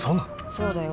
そうだよ